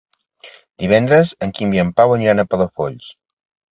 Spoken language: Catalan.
Divendres en Quim i en Pau aniran a Palafolls.